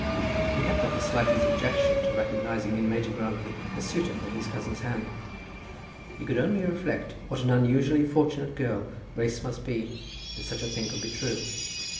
He had not the slightest objection to recognizing in Major Grantly a suitor for his cousin's hand. He could only reflect what an unusually fortunate girl Grace must be if such a thing could be true.